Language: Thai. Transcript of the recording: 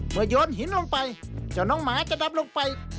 เมื่อยนหินลงไปเจ้าน้องหมาจะดำลงไป